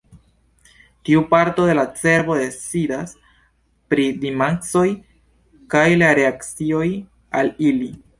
Tiu parto de la cerbo decidas pri minacoj kaj la reakcioj al ili.